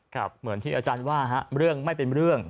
เหมือนที่อาจารย์ว่าเรื่องไม่เป็นเรื่อง